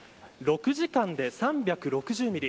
６時間で３６０ミリ。